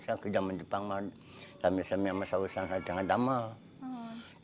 sibetnya jpr tau esa mencari laboratori atau perempuan yang mahluk